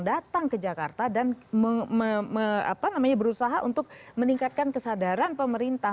datang ke jakarta dan berusaha untuk meningkatkan kesadaran pemerintah